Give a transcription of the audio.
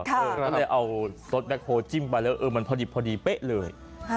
ก็เลยเอาซดแบ็คโฮลจิ้มไปแล้วเออมันพอดีเป๊ะเลย